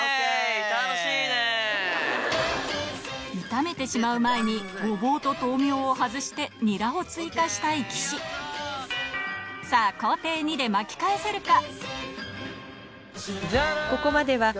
炒めてしまう前にゴボウと豆苗を外してニラを追加したい岸さぁ工程２で巻き返せるか？